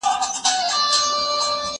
زه اوږده وخت ږغ اورم وم!؟